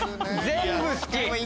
全部好き！